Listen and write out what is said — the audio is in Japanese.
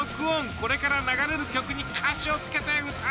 これから流れる曲に歌詞をつけて歌え。